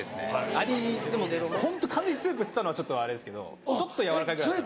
ありでもホント完全にスープ吸ったのはちょっとあれですけどちょっと軟らかいぐらいだったら。